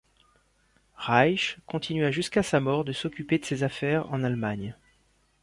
Reich continua jusqu’à sa mort de s’occuper de ses affaires en Allemagne.